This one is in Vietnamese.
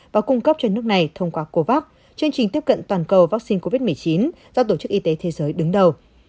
và cung cấp cho nước này thông qua covax chương trình tiếp cận toàn cầu vaccine covid một mươi chín do tổ chức y tế thế giới đứng đầu